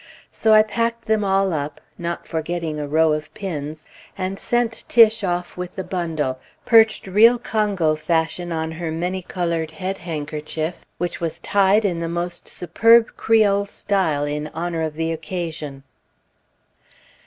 So I packed them all up not forgetting a row of pins and sent Tiche off with the bundle, perched real Congo fashion on her many colored head handkerchief, which was tied in the most superb Creole style in honor of the occasion.